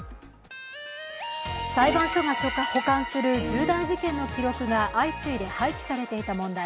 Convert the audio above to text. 裁判所が保管する重大事件の記録が相次いで廃棄されていた問題。